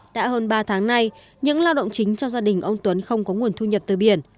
đã hơn ba tháng nay những lao động chính trong gia đình ông tuấn không có nguồn thu nhập từ biển